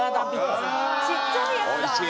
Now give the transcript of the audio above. ちっちゃいやつだ。